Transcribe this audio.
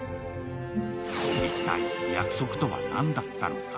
一体、約束とは何だったのか。